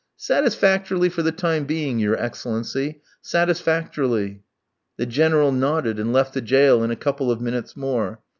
"Satisfactorily for the time being, your Excellency, satisfactorily." The General nodded, and left the jail in a couple of minutes more.